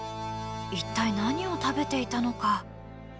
一体何を食べていたのか。